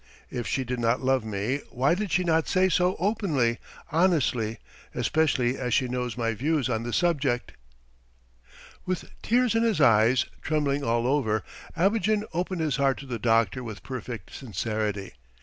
If she did not love me, why did she not say so openly, honestly, especially as she knows my views on the subject? ..." With tears in his eyes, trembling all over, Abogin opened his heart to the doctor with perfect sincerity.